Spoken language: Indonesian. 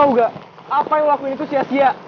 lo tau gak apa yang lo lakuin itu sia sia